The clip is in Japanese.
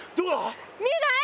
見えない？